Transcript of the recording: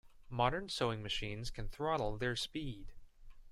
Modern sewing machines can throttle their speed.